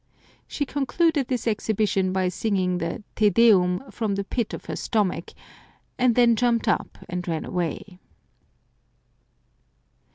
She concluded this exhibition by singing the " Te Deum " from the pit of her stomach, and then jumped up and ran away.